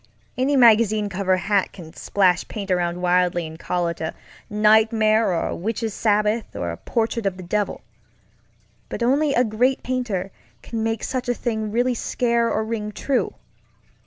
Any magazine cover hack can splash paint around wildly and call it a nightmare or Witches' Sabbath or a portrait of the devil, but only a great painter can make such a thing really scare or ring true.